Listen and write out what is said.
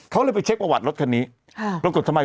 เขาเลยไปเช็คประวัติรถคันนี้